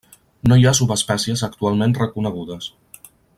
No hi ha subespècies actualment reconegudes.